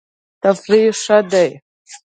تفریح ښه دی.